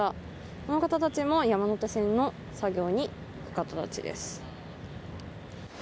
この方たちも山手線の作業に行く方たちです。